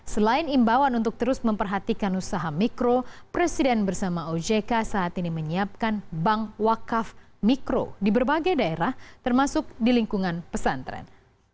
selain imbauan untuk terus memperhatikan usaha mikro presiden bersama ojk saat ini menyiapkan bank wakaf mikro di berbagai daerah termasuk di lingkungan pesantren